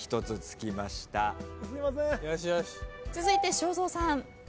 続いて正蔵さん。